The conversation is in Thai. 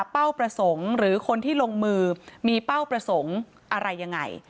เป้าประสงค์หรือคนที่ลงมือมีเป้าประสงค์อะไรยังไง